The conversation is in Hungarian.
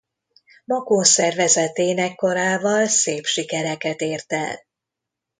Makón szervezett énekkarával szép sikereket ért el.